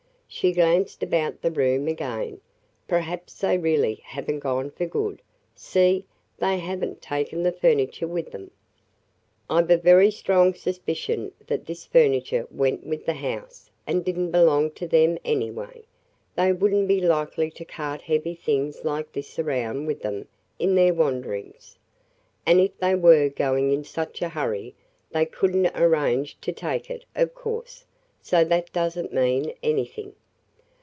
She glanced about the room again. "Perhaps they really have n't gone for good. See! They have n't taken the furniture with them!" "I 've a very strong suspicion that this furniture went with the house and did n't belong to them, anyway. They would n't be likely to cart heavy things like this around with them in their wanderings. And if they were going in such a hurry, they could n't arrange to take it, of course. So that does n't mean anything."